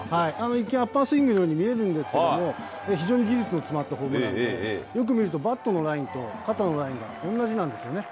一見、アッパースイングのように見えるんですけれども、非常に技術の詰まったホームランで、よく見ると、バットのラインと肩のラインが同じなんですよね。